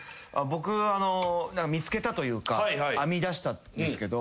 僕見つけたというか編み出したんですけど。